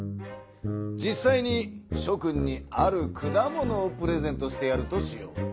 実さいにしょ君にある果物をプレゼントしてやるとしよう。